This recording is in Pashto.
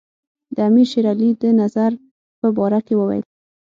د امیر شېر علي د نظر په باره کې وویل.